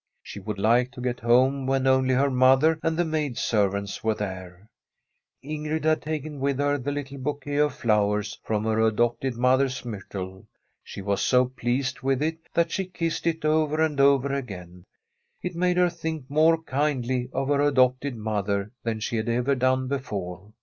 She would like to get home when only her mother and the maid servants were there. From a SWEDISH HOMESTEAD Ingrid had taken with her the little bouquet of flowers from her adopted mother's myrtle. She was so pleased with it that she kissed it oyer and over again. It made her think more kindly of her adopted mother than she had ever done before.